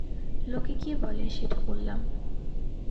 লোকে কী বলে, সেটা বললাম।